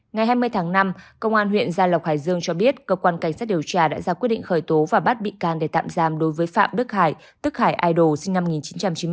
ngày hai mươi tháng năm công an huyện gia lộc hải dương cho biết cơ quan cảnh sát điều tra đã ra quyết định khởi tố và bắt bị can để tạm giam đối với phạm đức hải tức khải a đồ sinh năm một nghìn chín trăm chín mươi bốn